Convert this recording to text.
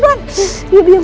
setan sedikit biung